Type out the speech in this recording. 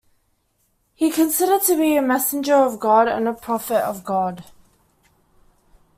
He is considered to be a messenger of God and a prophet of God.